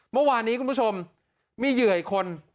เมื่อวานนี้คุณผู้ชมมีเหยื่ออีกคน